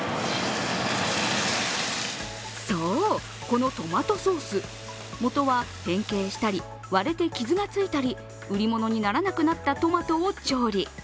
そう、このトマトソース、もとは変形したり割れて傷がついたり、売り物にならなくなったトマトを調理。